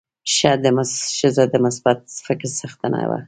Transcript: ښځه د مثبت فکر څښتنه ده.